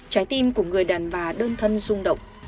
trái tim của người đàn bà đơn thân xung động